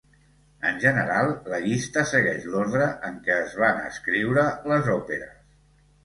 En general, la llista segueix l'ordre en què es van escriure les òperes.